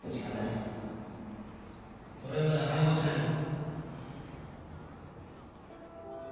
それまで腹ごしらえだ。